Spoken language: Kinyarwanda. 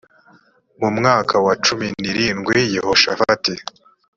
mu mwaka wa cumi n irindwi yehoshafati